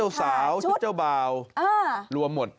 ค่าชุดค่าเจ้าสาวค่าเจ้าเบารวมหมด